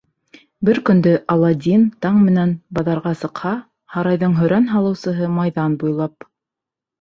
Бер көндө Аладдин таң менән баҙарға сыҡһа, һарайҙың һөрән һалыусыһы майҙан буйлап: